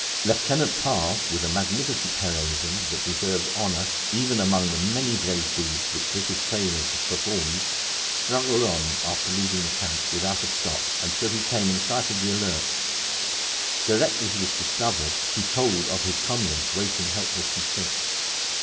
Lieutenant Parr, with a magnificent heroism that deserves honour even among the many brave deeds which British sailors have performed, struggled on after leaving the camp without a stop until he came in sight of the Alert. Directly he was discovered he told of his comrades waiting helpless and sick.